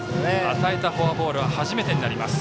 与えたフォアボールは初めてとなります。